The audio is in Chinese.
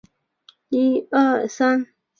道氏攀鼠属等之数种哺乳动物。